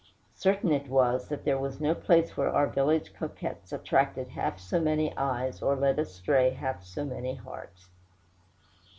Certain it was, that there was no place where our village coquettes attracted half so many eyes or led astray half so many hearts.